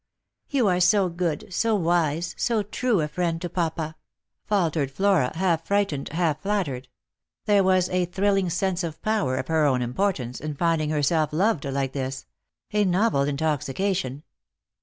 " You are so good, so wise, so true a friend to papa," faltered Flora, half frightened, half flattered. There was a thrilling sense of power, of her own importance, in finding herself loved like this — a novel intoxication.